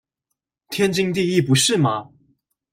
天經地義不是嗎？